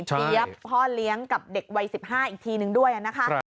เตรียบพ่อเลี้ยงกับเด็กวัย๑๕อีกทีหนึ่งด้วยนะครับ